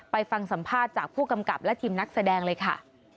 ไปฟังสัมภาษณ์จากผู้กำกับและทีมนักแสดงเลยค่ะ